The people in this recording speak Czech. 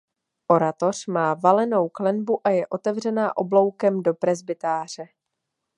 Oratoř má valenou klenbu a je otevřená obloukem do presbytáře.